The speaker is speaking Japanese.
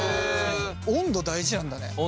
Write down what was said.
温度大事なんだね。